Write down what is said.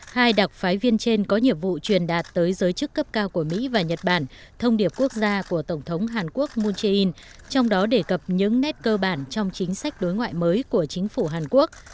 hai đặc phái viên trên có nhiệm vụ truyền đạt tới giới chức cấp cao của mỹ và nhật bản thông điệp quốc gia của tổng thống hàn quốc moon jae in trong đó đề cập những nét cơ bản trong chính sách đối ngoại mới của chính phủ hàn quốc